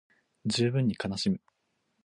十分に悲しむ